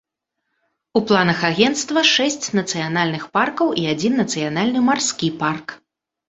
У планах агенцтва шэсць нацыянальных паркаў і адзін нацыянальны марскі парк.